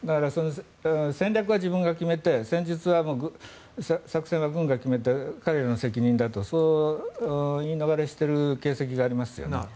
戦略は自分が決めて戦術、作戦は軍が決めて彼らの責任だとそう言い逃れしている形跡がありますよね。